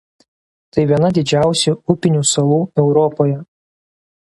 Tai viena didžiausių upinių salų Europoje.